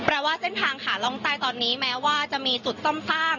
ว่าเส้นทางขาล่องใต้ตอนนี้แม้ว่าจะมีจุดซ่อมสร้าง